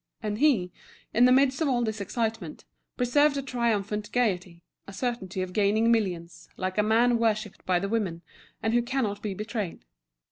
And he, in the midst of all this excitement, preserved a triumphant gaiety, a certainty of gaining millions, like a man worshipped by the women, and who cannot be betrayed.